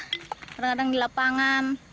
kadang kadang di lapangan